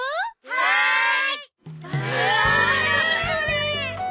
はい。